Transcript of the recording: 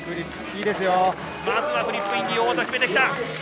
まずはフリップインディ決めてきた。